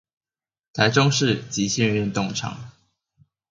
臺中市極限運動場